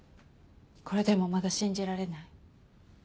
これでもまだ信じられない？